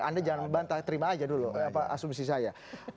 anda jangan membantah terima aja dulu asumsi saya